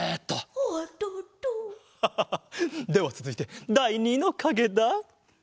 ハハハではつづいてだい２のかげだ。